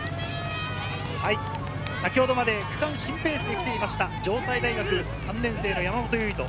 先程まで区間新ペースで来ていました、城西大学３年生の山本唯翔。